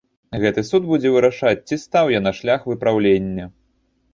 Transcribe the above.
Гэты суд будзе вырашаць, ці стаў я на шлях выпраўлення.